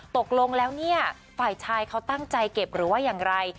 ตกลงแล้วเนี่ยฝ่ายชายเขาตั้งใจเก็บหรือว่าอย่างไร